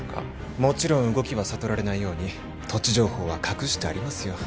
もちろん動きは悟られないように土地情報は隠してありますよ